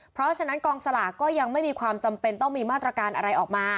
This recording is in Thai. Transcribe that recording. เพราะฉะนั้นกองสลากก็ยังไม่มีความจำเป็นต้องมีมาตรการอะไรออกมา